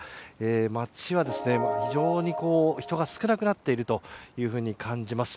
街は非常に人が少なくなっていると感じます。